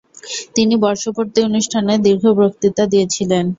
তিনি বর্ষপূর্তি অনুষ্ঠানে দীর্ঘ বক্তৃতা দিয়েছিলেন ।